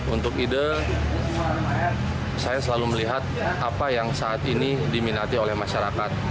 untuk ide saya selalu melihat apa yang saat ini diminati oleh masyarakat